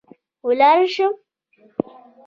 ولاړه شم